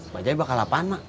bajaj bakal apaan emak